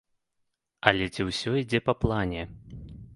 Але ці ўсё ідзе па плане?